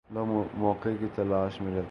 لوگ موقع کی تلاش میں رہتے ہیں۔